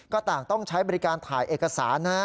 ก็ต้องใช้บริการถ่ายเอกสาร